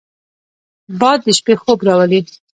باد د شپې خوب راولي